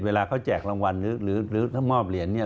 เวลาเขาแจกรางวัลหรือมอบเหรียญ